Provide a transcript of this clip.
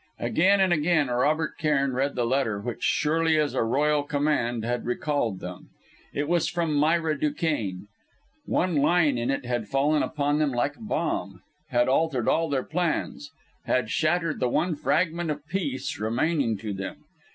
Again and again Robert Cairn read the letter which, surely as a royal command, had recalled them. It was from Myra Duquesne. One line in it had fallen upon them like a bomb, had altered all their plans, had shattered the one fragment of peace remaining to them.